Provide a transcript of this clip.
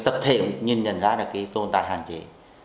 tập thể cũng nhìn nhận ra tồn tại hạn chế